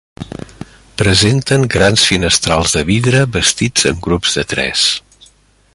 Presenten grans finestrals de vidre, bastits en grups de tres.